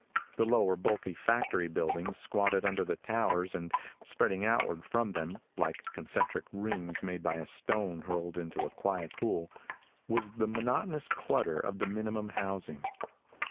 The lower, bulky factory buildings squatted under the towers and spreading outward from them, like concentric rings made by a stone hurled into a quiet pool, was the monotonous clutter of the minimum housing.